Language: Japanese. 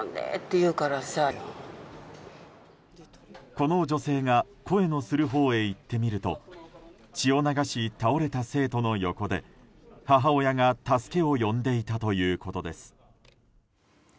この女性が声のするほうへ行ってみると血を流し倒れた生徒の横で母親が助けを呼んでいたということです。